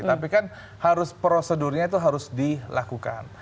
tapi kan harus prosedurnya itu harus dilakukan